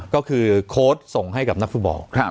ก็คือโค้ดส่งให้กับนักฟุตบอล